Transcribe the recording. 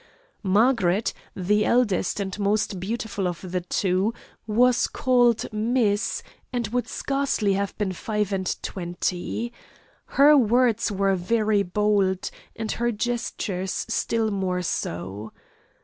Margaret, the eldest and most beautiful of the two, was called Miss, and could scarcely have been five and twenty. Her words were very bold, and her gestures still more so.